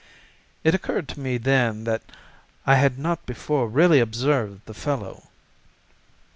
It occurred to me then that I had not before really observed the fellow.